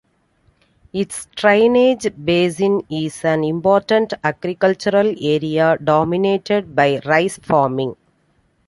Its drainage basin is an important agricultural area, dominated by rice farming.